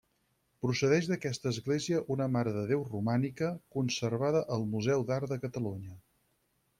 Procedeix d'aquesta església una Mare de Déu romànica conservada al Museu d'Art de Catalunya.